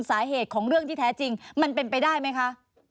สาเหตุของเรื่องที่แท้จริงมันเป็นไปได้ไหมคะ